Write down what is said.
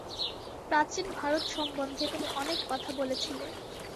প্রাচীন ভারত সম্বন্ধে তুমি অনেক কথা বলেছিলে।